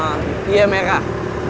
eeeh dia merah